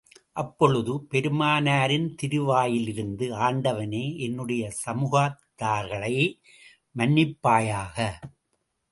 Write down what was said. அப்பொழுது பெருமானாரின் திருவாயிலிருந்து ஆண்டவனே என்னுடைய சமூகத்தார்களை மன்னிப்பாயாக!